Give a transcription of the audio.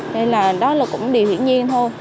nên là đó là cũng điều hiện nhiên thôi